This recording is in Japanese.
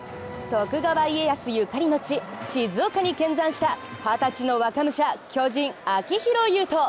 徳川家康ゆかりの地、静岡に見参した二十歳の若武者、巨人・秋広優人。